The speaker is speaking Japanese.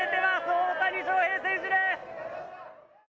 大谷翔平選手です。